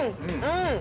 うん